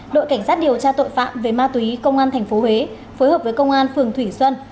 đội cảnh sát điều tra tội phạm về ma túy công an tp huế phối hợp với công an phường thủy xuân